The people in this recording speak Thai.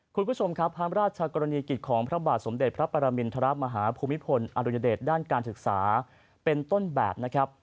คุณผู้ชมครับพระราชกรณีกิจของพระบาทสมเด็จพระปรมินทรมาฮาภูมิพลอดุญเดชด้านการศึกษาเป็นต้นแบบนะครับ